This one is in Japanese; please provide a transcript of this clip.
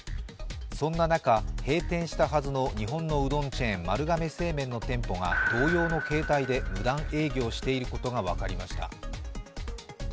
そんな中、閉店したはずの日本のうどんチェーン・丸亀製麺の店舗が同様の形態で無断営業していることが分かりました。